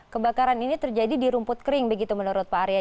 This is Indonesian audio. kebakaran ini terjadi di rumput kering begitu menurut pak arya